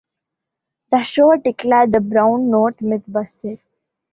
The show declared the brown note myth busted.